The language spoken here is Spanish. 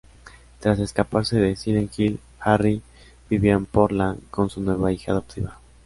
Tras escapar de Silent Hill, Harry vivió en Portland con su nueva hija adoptiva.